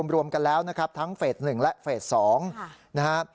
รวมกันแล้วนะครับทั้งเฟส๑และเฟส๒นะครับ